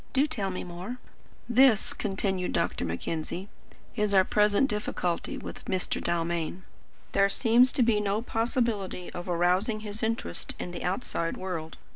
"Do tell me more." "This," continued Dr. Mackenzie, "is our present difficulty with Mr. Dalmain. There seems to be no possibility of arousing his interest in the outside world.